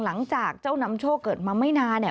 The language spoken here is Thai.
หลังจากเจ้านำโชคเกิดมาไม่นานเนี่ย